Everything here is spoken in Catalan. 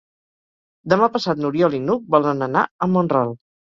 Demà passat n'Oriol i n'Hug volen anar a Mont-ral.